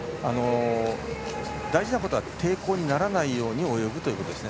大事なことは抵抗にならないよう泳ぐということですね。